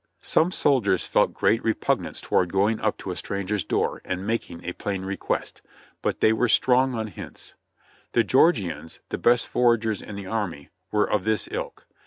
Some soldiers felt great repugnance toward going up to a stranger's door and making a plain request, but they were strong on hints. The Georgians, the best foragers in the army, were of this ilk.